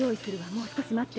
もう少し待って。